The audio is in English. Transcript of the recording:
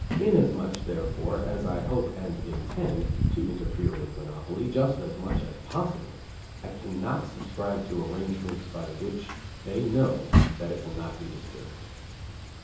Inasmuch, therefore, as I hope and intend to interfere with monopoly just as much as possible, I cannot subscribe to arrangements by which they know that it will not be disturbed.